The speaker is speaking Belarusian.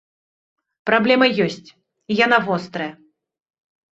Праблема ёсць і яна вострая.